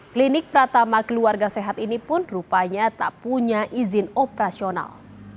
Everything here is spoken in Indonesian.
klinik pratama keluarga sehat ini pun rupanya tak punya izin operasional